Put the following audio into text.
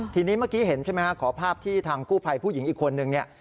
ทีนี้เมื่อกี้เห็นใช่ไหมครับขอภาพที่ทางกู้ภัยผู้หญิงอีกคนนึงเนี่ย